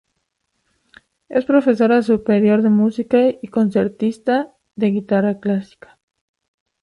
Es profesora Superior de Música y Concertista de Guitarra Clásica.